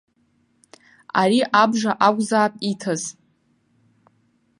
Ари абжа акәзаап иҭаз.